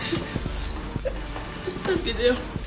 助けてよ。